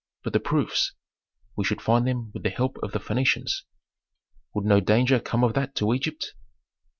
"But the proofs?" "We should find them with the help of the Phœnicians." "Would no danger come of that to Egypt?"